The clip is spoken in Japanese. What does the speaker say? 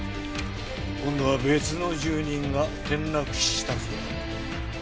今度は別の住人が転落死したそうだ。